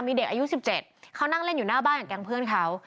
มีเด็กอายุ๑๗เขานั่งเล่นอยู่หน้าบ้านกับแก๊งเพื่อนเขา